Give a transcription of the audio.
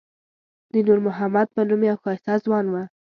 د نور محمد په نوم یو ښایسته ځوان و.